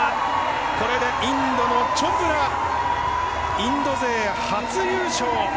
これでインドのチョプラインド勢、初優勝。